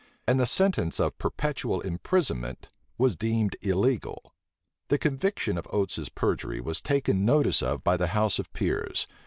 And the sentence of perpetual imprisonment was deemed illegal. The conviction of Oates's perjury was taken notice of by the house of peers.